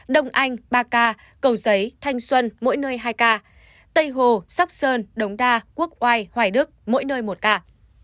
đông anh ba ca cầu giấy thanh xuân mỗi nơi hai ca tây hồ sóc sơn đống đa quốc oai hoài đức mỗi nơi một ca